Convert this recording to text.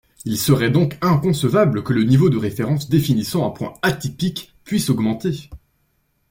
Il serait donc inconcevable que le niveau de référence définissant un point atypique puisse augmenter.